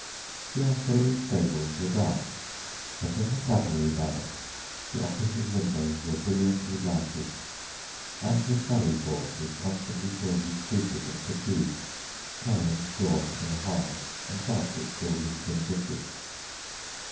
The artillery stables were dark, but in the cavalry barracks the officers' windows were brilliantly lighted, and the sallyport was constantly filled with troopers in fatigue, carrying straw and harness and baskets filled with tin dishes.